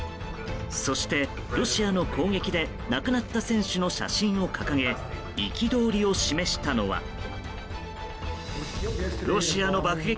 そして、ロシアの攻撃で亡くなった選手の写真を掲げ憤りを示したのは。